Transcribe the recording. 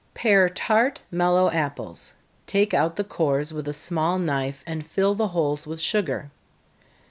_ Pare tart, mellow apples take out the cores with a small knife, and fill the holes with sugar.